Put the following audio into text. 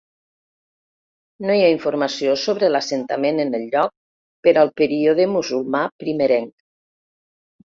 No hi ha informació sobre l'assentament en el lloc per al període musulmà primerenc.